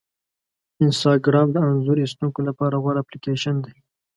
انسټاګرام د انځور ایستونکو لپاره غوره اپلیکیشن دی.